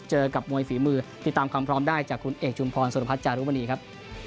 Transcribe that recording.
เจอกับมวยฝีมือติดตามความพร้อมได้จากคุณเอกชุมพรสุรพัฒน์จารุมณีครับ